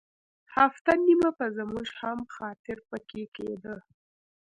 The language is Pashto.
هفته نیمه به زموږ هم خاطر په کې کېده.